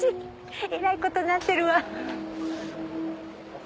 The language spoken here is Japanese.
えらいことになってるわ。